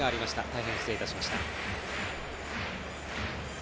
大変失礼いたしました。